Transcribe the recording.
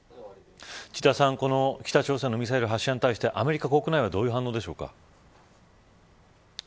千田さん、北朝鮮のミサイル発射に対してアメリカ国内はどういう反応でしょうか。